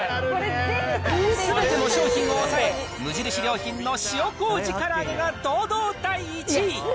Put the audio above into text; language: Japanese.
すべての商品を抑え、無印良品の塩こうじからあげが、堂々第１位。